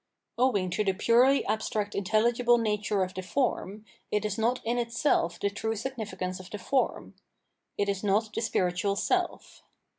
Owing to the purely abstract intelhgible nature of the form, it is not in itself the true significance of the form ; it is not the spiritual self.